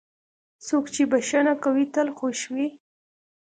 څوک چې بښنه کوي، تل خوښ وي.